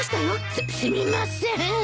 すすみません。